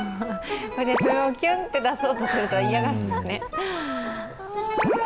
爪をキュンと出そうとすると、嫌がるんですね。